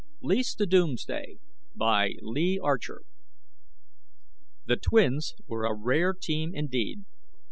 net LEASE TO DOOMSDAY By LEE ARCHER _The twins were a rare team indeed.